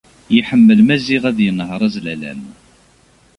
Yeḥmmel Maziɣ ad yenher azlalam.